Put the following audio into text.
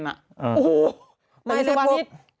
โอ้โฮในเวลาที่